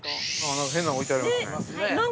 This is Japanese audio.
◆何か変なの置いてありますね。